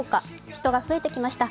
人が増えてきました。